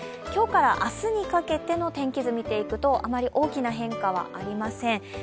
今日から明日にかけての天気図を見ていくとあまり大きな変化はありません。